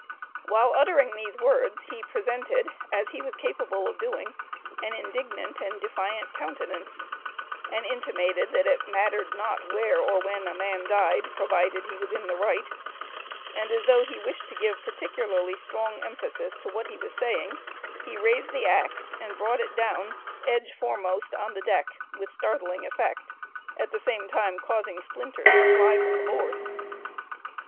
While uttering these words he presented, as he was capable of doing, an indignant and defiant countenance, and intimated that it mattered not where or when a man died provided he was in the right, and as though he wished to give particularly strong emphasis to what he was saying, he raised the axe, and brought it down edge foremost on the deck with startling effect, at the same time causing the splinters to fly from the boards.